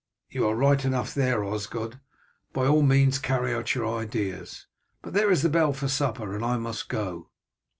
"You are right enough there, Osgod; by all means carry out your ideas. But there is the bell for supper, and I must go."